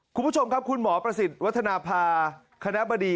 คุณผู้ชมครับคุณหมอประสิทธิ์วัฒนภาคณะบดี